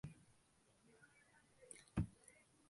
கல்கத்தாவில் பல நிகழ்ச்சிகளில் கலந்து கொண்டோம்.